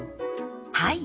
はい。